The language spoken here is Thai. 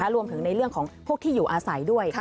รวมถึงในเรื่องของพวกที่อยู่อาศัยด้วย